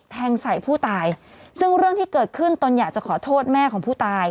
แทงใส่ผู้ตายซึ่งเรื่องที่เกิดขึ้นตนอยากจะขอโทษแม่ของผู้ตาย